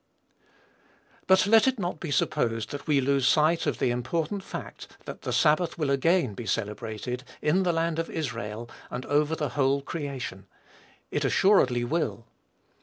But let it not be supposed that we lose sight of the important fact that the sabbath will again be celebrated, in the land of Israel, and over the whole creation. It assuredly will.